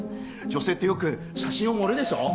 女性ってよく写真を盛るでしょう？